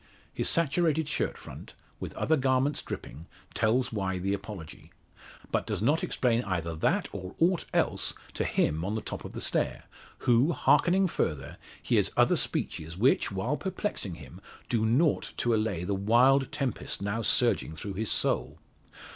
His saturated shirt front, with other garments dripping, tells why the apology; but does not explain either that or aught else to him on the top of the stair; who, hearkening further, hears other speeches which, while perplexing him, do nought to allay the wild tempest now surging through his soul.